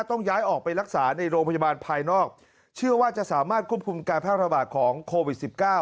ต้องย้ายออกไปรักษาในโรงพยาบาลภายนอกเชื่อว่าจะสามารถควบคุมการแพร่ระบาดของโควิดสิบเก้า